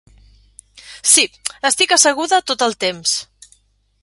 Sí, estic asseguda tot el temps.